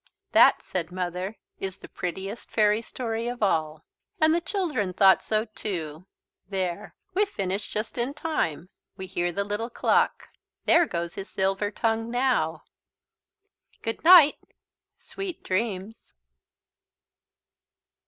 "That," said Mother, "is the prettiest fairy story of all." And the children thought so too. There we've finished just in time. We hear the Little Clock. There goes his silver tongue now. Good night! Sweet Dreams.